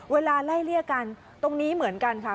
เวลาไล่เลี่ยกันตรงนี้เหมือนกันค่ะ